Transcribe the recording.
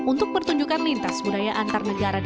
untuk pertunjukan lintas budaya antar negara